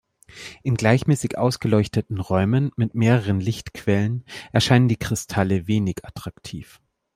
In gleichmäßig ausgeleuchteten Räumen mit mehreren Lichtquellen erscheinen die Kristalle wenig attraktiv.